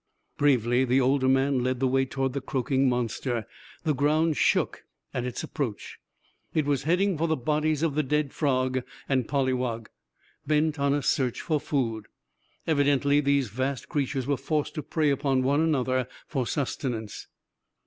Bravely, the older man led the way towards the croaking monster. The ground shook at its approach. It was heading for the bodies of the dead frog and polywog, bent on a search for food. Evidently these vast creatures were forced to prey upon one another for sustenance.